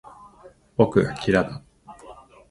僕がキラだ